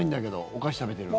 お菓子食べてるの。